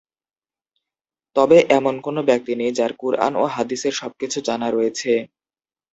তবে এমন কোনো ব্যক্তি নেই যার কুরআন ও হাদীসের সবকিছু জানা রয়েছে।